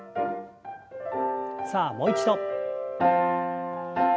さあもう一度。